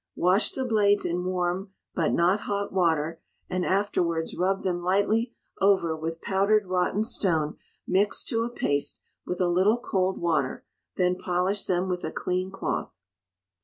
Wash the blades in warm (but not hot) water, and afterwards rub them lightly over with powdered rotten stone mixed to a paste with a little cold water; then polish them with a clean cloth.